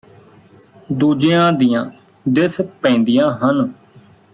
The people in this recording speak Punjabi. ਦੂਜਿਆਂ ਦੀਆਂ ਦਿਸ ਪੈਂਦੀਆਂ ਹਨ